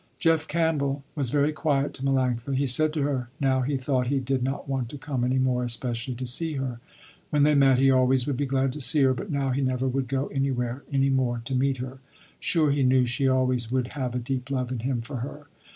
Jeff Campbell was very quiet to Melanctha. He said to her, now he thought he did not want to come any more especially to see her. When they met, he always would be glad to see her, but now he never would go anywhere any more to meet her. Sure he knew she always would have a deep love in him for her.